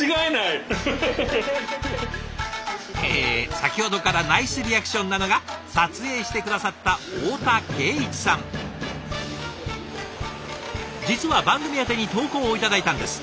先ほどからナイスリアクションなのが実は番組宛に投稿を頂いたんです。